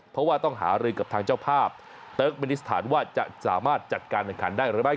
เพราะว่าต้องหารือกับทางเจ้าภาพเติร์กมินิสถานว่าจะสามารถจัดการแข่งขันได้หรือไม่